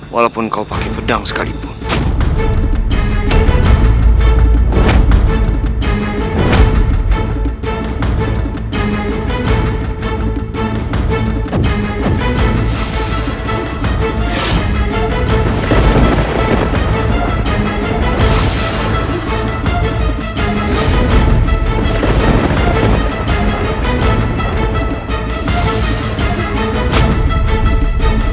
walaupun kau pakai pedang sekalipun